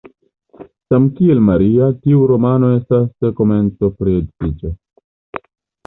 Samkiel "Maria", tiu romano estas komento pri edziĝo.